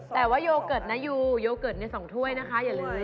แต่ว่าโยเกิร์ตนะยูโยเกิร์ตใน๒ถ้วยนะคะอย่าลืม